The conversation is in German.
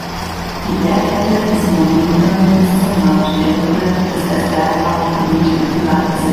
Die Bergkette des Mount Lincoln bis zum Mount Democrat ist als Bergbaugebiet im Privatbesitz.